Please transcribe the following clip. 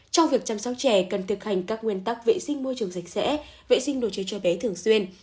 trong việc chăm sóc trẻ cần thực hành các nguyên tắc vệ sinh môi trường sạch sẽ vệ sinh đồ chơi cho bé thường xuyên